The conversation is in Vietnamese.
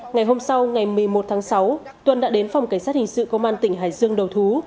ngày hôm sau ngày một mươi một tháng sáu tuân đã đến phòng cảnh sát hình sự công an tỉnh hải dương đầu thú